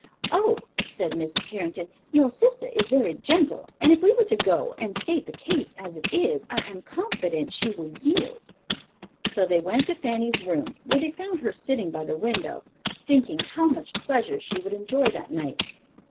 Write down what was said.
"Oh," said Mrs. Carrington, "your sister is very gentle and if we go to her and state the case as it is, I am confident she will yield." So they went to Fanny's room, where they found her sitting by the window, thinking how much pleasure she would enjoy that night.